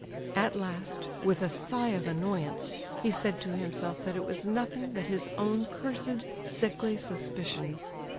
At last, with a sigh of annoyance, he said to himself that it was nothing but his own cursed sickly suspicion.